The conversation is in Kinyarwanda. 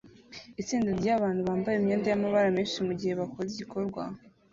Itsinda ryabantu bambaye imyenda yamabara menshi mugihe bakora igikorwa